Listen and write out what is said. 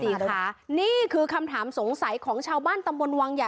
นี่ค่ะนี่คือคำถามสงสัยของชาวบ้านตำบลวังใหญ่